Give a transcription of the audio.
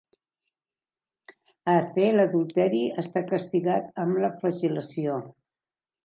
A Aceh, l'adulteri està castigat amb la flagel·lació.